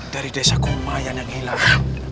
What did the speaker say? dari desa komayan yang hilang